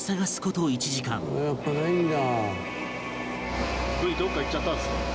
「やっぱないんだ」